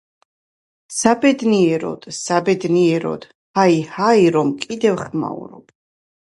საბედნიეროდ, საბედნიეროდ, ჰაი, ჰაი, რომკიდევ ხმაურობ.